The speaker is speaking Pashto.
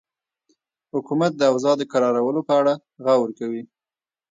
حکومت د اوضاع د کرارولو په اړه غور کوي.